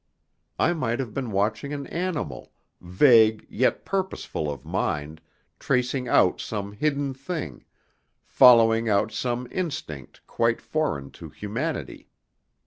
I might have been watching an animal, vague, yet purposeful of mind, tracing out some hidden thing, following out some instinct quite foreign to humanity.